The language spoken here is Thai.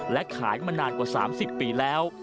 และขายมานานกว่า๓๐ปีแล้ว